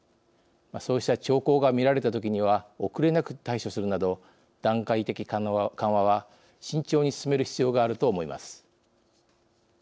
そうした兆候が見られたときには遅れなく対処するなど段階的緩和は慎重に進める必要があると思います。